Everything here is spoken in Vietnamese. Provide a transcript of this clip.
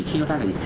khi chúng ta là gì